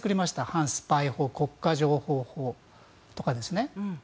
反スパイ法国家情報法とかですね。